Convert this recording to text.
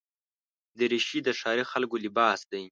دریشي د ښاري خلکو لباس دی.